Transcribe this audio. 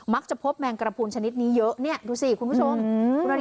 มักจะพบแมงกระพูนชนิดนี้เยอะเนี่ยดูสิคุณผู้ชม